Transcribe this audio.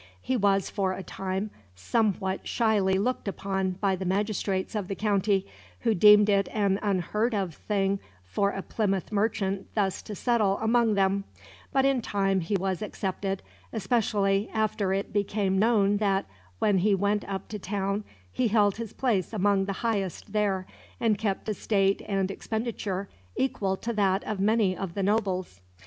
He was, for a time, somewhat shyly looked upon by the magistrates of the county, who deemed it an unheard of thing for a Plymouth merchant thus to settle among them; but in time he was accepted, especially after it became known that, when he went up to town, he held his place among the highest there, and kept a state and expenditure equal to that of many of the nobles.